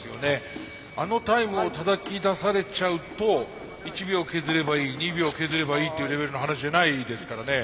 あのタイムをたたき出されちゃうと１秒削ればいい２秒削ればいいっていうレベルの話じゃないですからね。